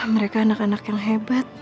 mereka anak anak yang hebat